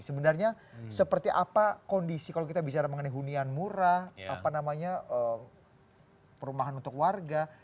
sebenarnya seperti apa kondisi kalau kita bicara mengenai hunian murah apa namanya perumahan untuk warga